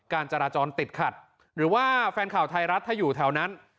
การจราจรติดขัดหรือว่าแฟนข่าวไทยรัฐถ้าอยู่แถวนั้น